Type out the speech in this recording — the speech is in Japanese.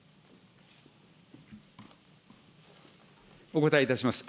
お答えいたします。